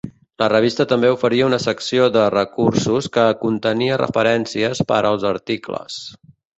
La revista també oferia una secció de "Recursos" que contenia referències per als articles.